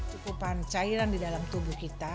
cukupan cairan di dalam tubuh kita